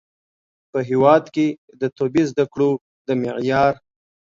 په هیواد کې د طبي زده کړو د معیار